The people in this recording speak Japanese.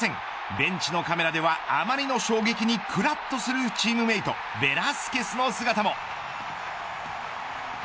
ベンチのカメラでは、あまりの衝撃にくらっとするチームメートベラスケスの姿も。